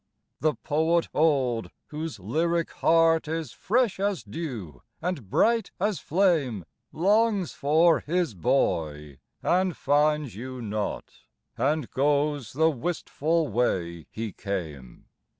The poet old, whose lyric heart Is fresh as dew and bright as flame, Longs for "his boy," and finds you not, And goes the wistful way he came.